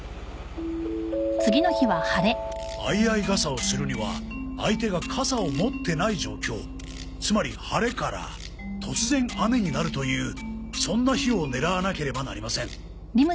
相合い傘をするには相手が傘を持ってない状況つまり晴れから突然雨になるというそんな日を狙わなければなりません。